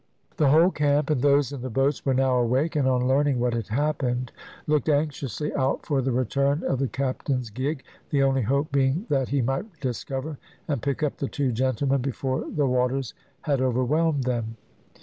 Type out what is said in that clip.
The whole camp and those in the boats were now awake, and on learning what had happened looked anxiously out for the return of the captain's gig, the only hope being that he might discover and pick up the two gentlemen before the waters had overwhelmed them.